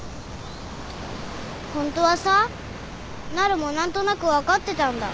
ホントはさなるも何となく分かってたんだ。